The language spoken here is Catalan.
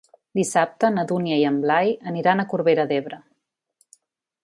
Dissabte na Dúnia i en Blai aniran a Corbera d'Ebre.